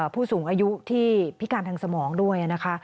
ผู้สูงอายุที่พิการทางสมองด้วยนะคะ